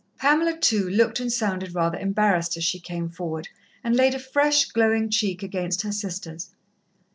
Pamela, too, looked and sounded rather embarrassed as she came forward and laid a fresh, glowing cheek against her sister's.